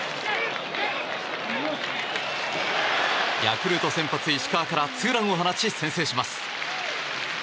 ヤクルト先発、石川からツーランを放ち先制します。